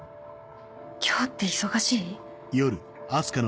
今日って忙しい？